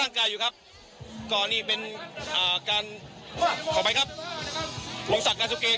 ร่างกายอยู่ครับก่อนนี้เป็นอ่าการออกไปครับหลวงสัตว์การสุดเกต